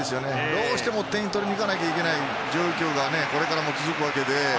どうしても点を取りにいかないといけない状況がこれからも続くわけで。